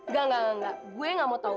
gak gak gak gue gak mau tau